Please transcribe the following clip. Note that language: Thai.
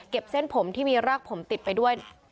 เส้นผมที่มีรากผมติดไปด้วย